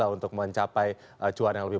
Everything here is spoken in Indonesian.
untuk mencapai cuan yang lebih